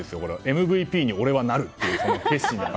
ＭＶＰに俺はなる！という決心。